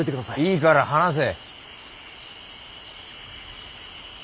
いいから話せ。